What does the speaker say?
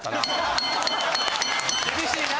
厳しいな。